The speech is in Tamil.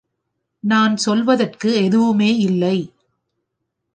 நான் சொல்வதற்கு எதுவுமே இல்லை.